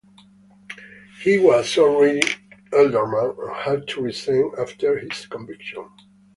He was already alderman and had to resign after his conviction.